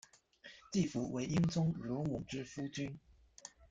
季福为英宗乳母之夫君。